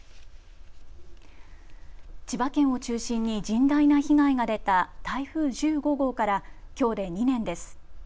千葉県を中心に甚大な被害が出た台風１５号からきょうで２年です。